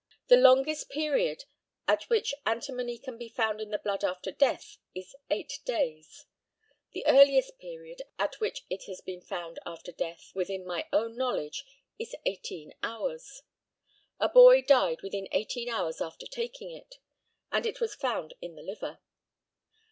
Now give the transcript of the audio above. The longest period at which antimony can be found in the blood after death is eight days; the earliest period at which it has been found after death, within my own knowledge is eighteen hours. A boy died within eighteen hours after taking it, and it was found in the liver.